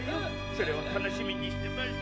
それを楽しみにしてます。